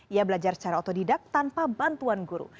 ia belajar secara otodidak tanpa bantuan guru